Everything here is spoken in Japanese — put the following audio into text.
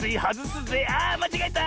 あまちがえた！